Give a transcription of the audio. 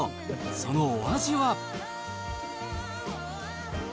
そのお味は？